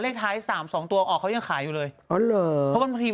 เลขท้ายสามสองตัวออกเขายังขายอยู่เลยอ๋อเหรอเพราะบางที